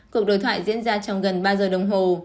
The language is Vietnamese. cuộc đối thoại diễn ra trong gần ba giờ đồng hồ